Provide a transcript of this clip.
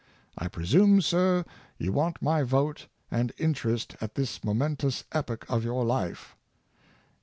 " I presume, sir, you want my vote and interest at this momentous epoch of your life."